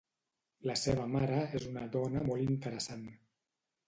La seva mare és una dona molt interessant.